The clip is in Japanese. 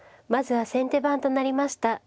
まずは先手番となりました